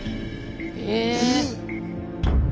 え！